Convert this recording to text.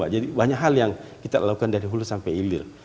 jadi banyak hal yang kita lakukan dari hulus sampai hilir